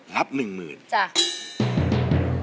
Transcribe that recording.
รับ๑๐๐๐บาท